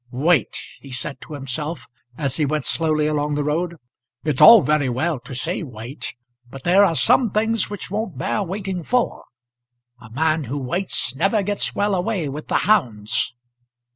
"Wait!" he said to himself as he went slowly along the road. "It's all very well to say wait, but there are some things which won't bear waiting for. A man who waits never gets well away with the hounds."